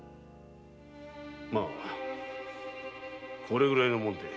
まぁこれぐらいのもんで。